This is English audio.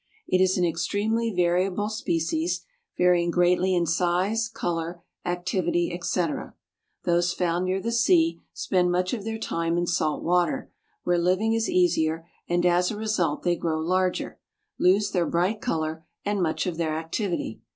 It is an extremely variable species, varying greatly in size, color, activity, etc. Those found near the sea spend much of their time in salt water, where living is easier and as a result they grow larger, lose their bright color and much of their activity.